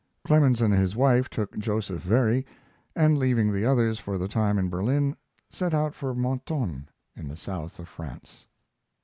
Clemens and his wife took Joseph Very, and, leaving the others for the time in Berlin, set out for Mentone, in the south of France.